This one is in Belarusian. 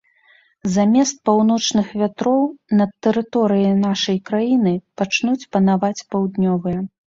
Замест паўночных вятроў над тэрыторыяй нашай краіны пачнуць панаваць паўднёвыя.